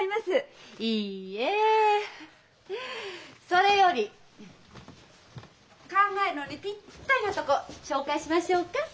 それより考えるのにぴったりの所紹介しましょうか？